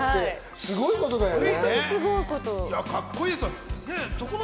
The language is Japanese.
すごいことだよね。